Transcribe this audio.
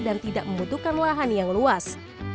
dan tidak membutuhkan lahan yang luas